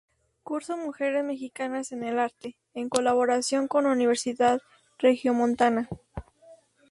Curso Mujeres Mexicanas en el Arte, en colaboración con Universidad Regiomontana.